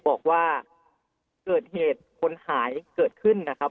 บอกว่าเกิดเหตุคนหายเกิดขึ้นนะครับ